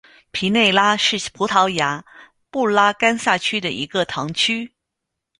皮内拉是葡萄牙布拉干萨区的一个堂区。